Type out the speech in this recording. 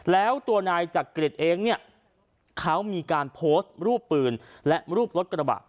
แล้วตัวนายจักริตเองเนี่ยเขามีการโพสต์รูปปืนและรูปรถกระบะ